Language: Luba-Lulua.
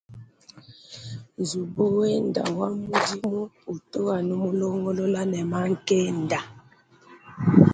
Nzubu wenda wa mudimu utu anu mulongolola ne mankenda.